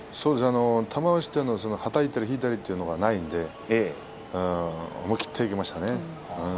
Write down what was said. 玉鷲というのははたいたり引いたというのがないので思い切っていきましたね。